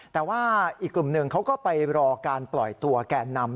แต่ว่าอีกกลุ่มหนึ่งเขาก็ไปรอการปล่อยตัวแก่นำ